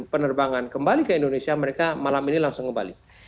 penerbangan kembali ke indonesia mereka malam ini langsung kembali